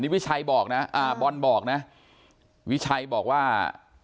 วิชัยบอกนะอ่าบอลบอกนะวิชัยบอกว่า